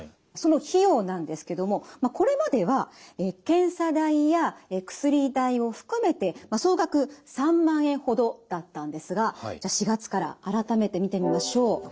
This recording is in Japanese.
その費用なんですけどもこれまでは検査代や薬代を含めて総額３万円ほどだったんですがじゃあ４月から改めて見てみましょう。